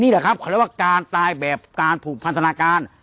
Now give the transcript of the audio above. แหละครับเขาเรียกว่าการตายแบบการผูกพันธนาการ